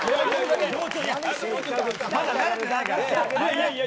いやいや。